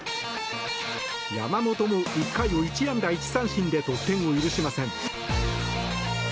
山本も１回を１安打１三振で得点を許しません。